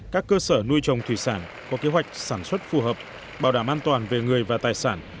các cơ sở nuôi trồng thủy sản có kế hoạch sản xuất phù hợp bảo đảm an toàn về người và tài sản